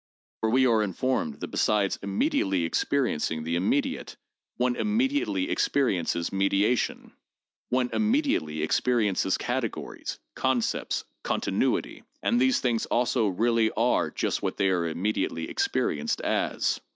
For we are informed that besides immediately experiencing the immediate, one immediately experiences mediation, one immediately experiences categories, concepts, continuity; and these things also really are just what they are immediately experienced as.